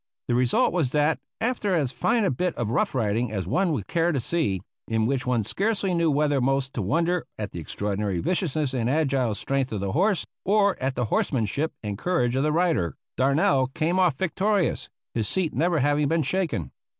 The result was that, after as fine a bit of rough riding as one would care to see, in which one scarcely knew whether most to wonder at the extraordinary viciousness and agile strength of the horse or at the horsemanship and courage of the rider, Darnell came off victorious, his seat never having been shaken.